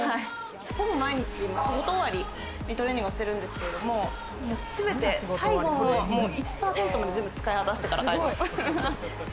ほぼ毎日、仕事終わりにトレーニングをしているんですけれども、最後の１％まで全部使い果たしてから帰る。